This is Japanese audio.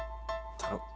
頼む。